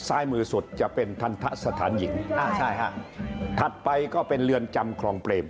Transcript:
ซ้ายมือสุดจะเป็นทันทะสถานหญิงอ่าใช่ฮะถัดไปก็เป็นเรือนจำคลองเปรม